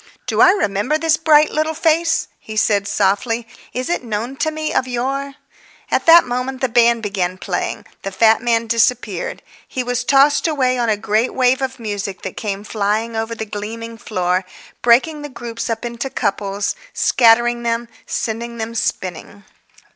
"Do I remember this bright little face?" he said softly. "Is it known to me of yore?" At that moment the band began playing; the fat man disappeared. He was tossed away on a great wave of music that came flying over the gleaming floor, breaking the groups up into couples, scattering them, sending them spinning....